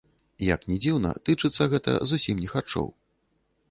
Як ні дзіўна, тычыцца гэта зусім не харчоў.